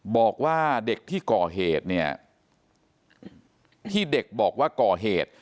บอกว่าเด็กที่ก่อเหตุเนี่ยที่เด็กบอกว่าก่อเหตุ